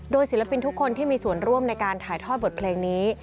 ศิลปินทุกคนที่มีส่วนร่วมในการถ่ายทอดบทเพลงนี้